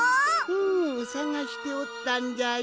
うんさがしておったんじゃよ。